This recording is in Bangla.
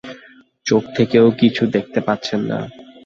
চোখ থেকেও কিছুই দেখতে পাচ্ছেন না।